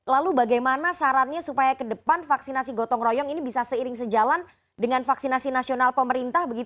lalu bagaimana sarannya supaya ke depan vaksinasi gotong royong ini bisa seiring sejalan dengan vaksinasi nasional pemerintah